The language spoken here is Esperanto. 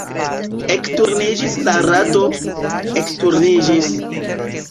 Ekturniĝis la rado, ekturniĝis!